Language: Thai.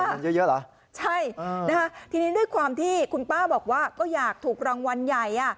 มันเยอะเยอะเหรอใช่นะคะทีนี้ด้วยความที่คุณป้าบอกว่าก็อยากถูกรางวัลใหญ่อ่ะ